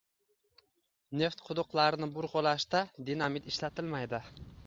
Neft quduqlarini burg`ilashda dinamit ishlatilmaydi